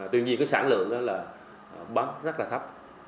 tuy nhiên cái sản lượng đó là bấm rất là thấp